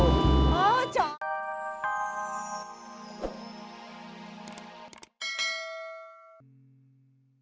tidak ada yang bisa dihargai